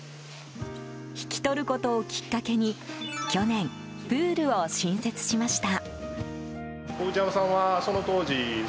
引き取ることをきっかけに去年、プールを新設しました。